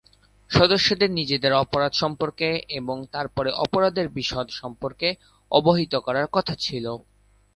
সদস্যদের নিজেদের অপরাধ সম্পর্কে এবং তারপরে অপরাধের বিশদ সম্পর্কে অবহিত করার কথা ছিল।